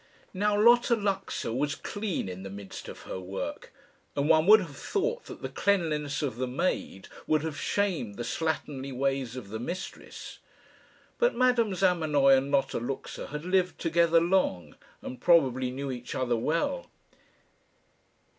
Now Lotta Luxa was clean in the midst of her work; and one would have thought that the cleanliness of the maid would have shamed the slatternly ways of the mistress. But Madame Zamenoy and Lotta Luxa had lived together long, and probably knew each other well.